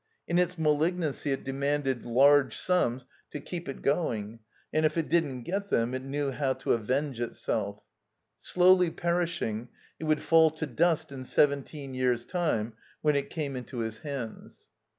In its malignancy it demanded large sums to keep it going and if it didn't get them it knew how to avenge itself. Slowly perishing, it would fall to dust in seventeen years' time when it came into his hands.